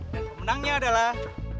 dan pemenangnya adalah